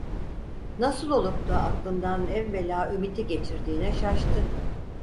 Nasıl olup da aklından evvela Ümit’i geçirdiğine şaştı.